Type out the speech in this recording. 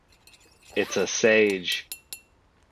It's a sage.